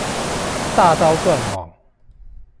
大刀斷網！